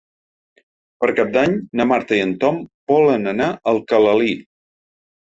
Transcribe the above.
Per Cap d'Any na Marta i en Tom volen anar a Alcalalí.